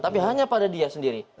tapi hanya pada dia sendiri